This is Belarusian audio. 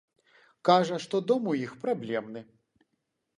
Кажа, што дом у іх праблемны.